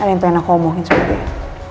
ada yang tuh yang aku omongin sebelumnya